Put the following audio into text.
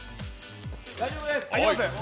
大丈夫です。